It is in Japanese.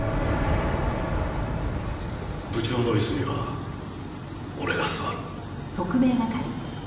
部長の椅子には俺が座る。